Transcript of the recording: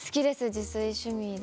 自炊趣味で。